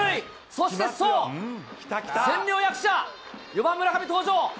そして、そう、千両役者、４番村上登場。